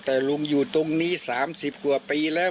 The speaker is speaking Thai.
แต่ลุงอยู่ตรงนี้๓๐กว่าปีแล้ว